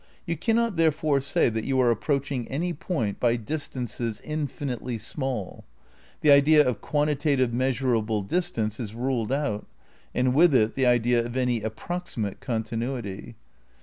You cannot therefore say that you are approaching any point by distances infinitely small ; the idea of quantitative, measurable distance is ruled out, and with it the idea of any approximate continuity.